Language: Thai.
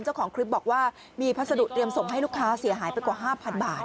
เจ้าของคลิปบอกว่ามีพัสดุเตรียมส่งให้ลูกค้าเสียหายไปกว่า๕๐๐บาท